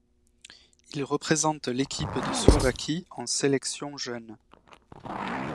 Il représente l'équipe de Slovaquie en sélections jeunes.